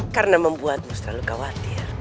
karena membuatmu terlalu khawatir